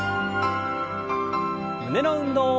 胸の運動。